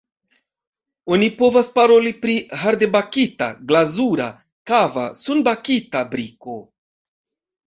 Oni povas paroli pri hardebakita, glazura, kava, sunbakita briko.